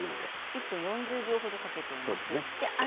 １分４０秒程かけてあります。